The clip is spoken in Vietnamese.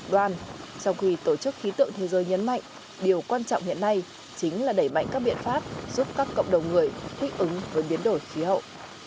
trong khi tổ chức khí tượng thế giới nhấn mạnh các biện pháp giúp các cộng đồng người thích ứng với biến đổi khí hậu